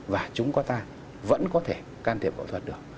và chúng có ta vẫn có thể can thiệp phẫu thuật được